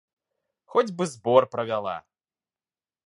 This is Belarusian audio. Хоць бы збор правяла!